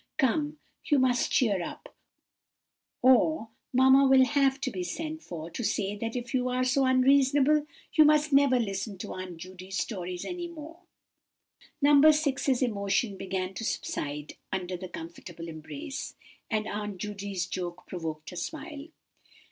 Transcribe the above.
Come! you must cheer up, or mamma will leave to be sent for to say that if you are so unreasonable, you must never listen to Aunt Judy's stories any more." No. 6's emotion began to subside under the comfortable embrace, and Aunt Judy's joke provoked a smile.